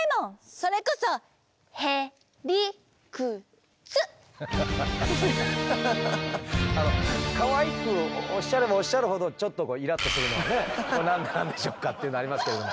それこそあのかわいくおっしゃればおっしゃるほどちょっとこう何なんでしょうかというのはありますけれども。